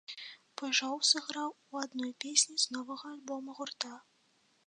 Пыжоў сыграў у адной песні з новага альбома гурта.